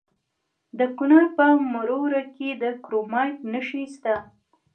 د کونړ په مروره کې د کرومایټ نښې شته.